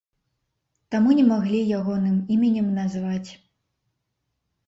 Таму не маглі ягоным іменем назваць.